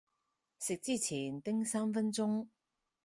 食之前叮三分鐘